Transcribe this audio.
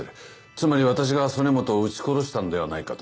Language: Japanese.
つまり私が曽根本を撃ち殺したんではないかと？